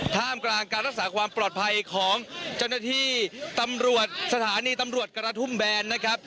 ท่ามกลางการรักษาความปลอดภัยของเจ้าหน้าที่ตำรวจสถานีตำรวจกระทุ่มแบนนะครับ